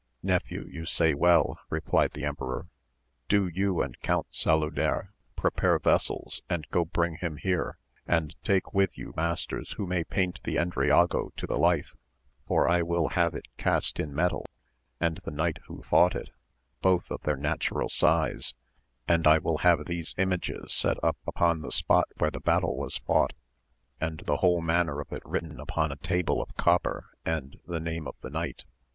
Nephew you say well, repHed the emperor, do you athd Count Saluder prepare vessels and go bring hirii here, and take with you masters who may paint^ the Endriago to the life, for I will have it cast in metal, and the knight who fought it, both of their natural size, and I will have these images set up upon the spot where the battle was fought, and the whole manner of it written upon a table of copper and the name of the knight.